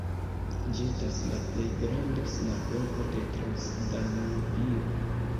Ĝi estas la plej granda sinagogo de Transdanubio.